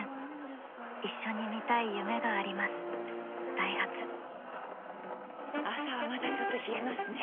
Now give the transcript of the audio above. ダイハツ朝はまだちょっと冷えますねぇ。